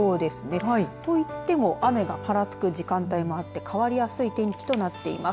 といっても雨がぱらつく時間帯もあって変わりやすい天気となっています。